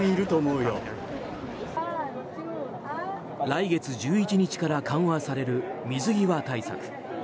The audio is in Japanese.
来月１１日から緩和される水際対策。